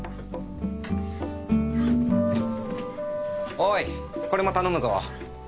おいこれも頼むぞ。